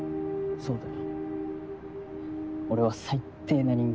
そうだな。